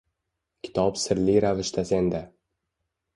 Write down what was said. Kitob sirli ravishda senda.